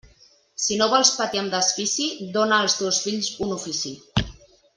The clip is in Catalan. Si no vols patir amb desfici, dóna als teus fills un ofici.